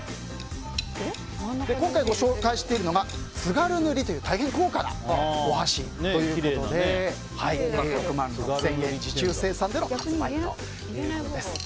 今回ご紹介しているのが津軽塗という大変高価なお箸ということで６万６０００円、受注生産での発売ということです。